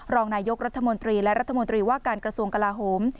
รองนายกรัฐมนตรีและรัฐมนตรีว่าการกระทรวงกลาโหม